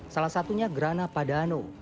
salah satunya grana padano